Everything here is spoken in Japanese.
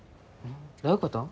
どういうこと？